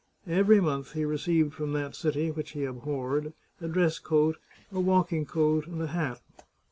Every month he received from that city, which he abhorred, a dress coat, a walking coat, and a hat.